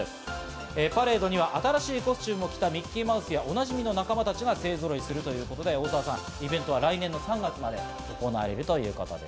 パレードには新しいコスチュームを着たミッキーマウスや、おなじみの仲間たちが勢ぞろいするということで、大沢さん、イベントは来年３月まで行われるということです。